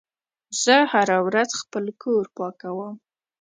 زه هره ورځ خپل کور پاکوم.